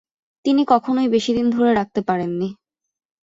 তিনি কখনোই বেশিদিন ধরে রাখতে পারেননি।